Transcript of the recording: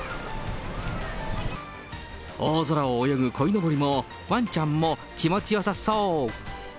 大空を泳ぐこいのぼりも、わんちゃんも気持ちよさそう。